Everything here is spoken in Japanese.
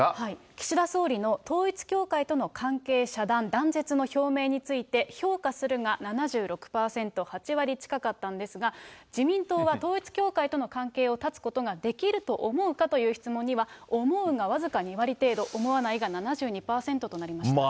岸田総理の統一教会との関係遮断、断絶の表明について評価するが７６％、８割近かったんですが、自民党は統一教会との関係を断つことができると思うかという質問には、思うが僅か２割程度、思わないが７２％となりました。